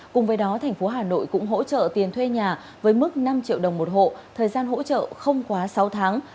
cùng với đó thành phố hà nội cũng hỗ trợ tiền thuê nhà với mức năm triệu đồng một hộ thời gian hỗ trợ không quá sáu tháng